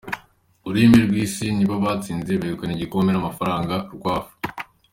Urumuri rw’Isi nibo batsinze, begukana igikombe n’amafaranga , Rwf.